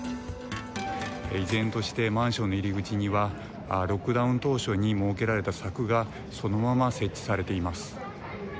依然としてマンションの入り口にはロックダウン当初に設けられた柵がそのまま設置されています。